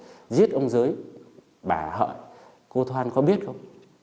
hành vi phạm tội giết ông giới bà hợi cô thoan có biết không